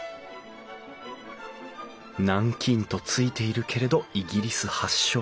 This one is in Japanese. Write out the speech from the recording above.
南京と付いているけれどイギリス発祥。